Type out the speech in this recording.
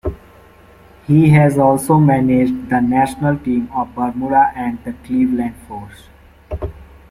He has also managed the national team of Bermuda and the Cleveland Force.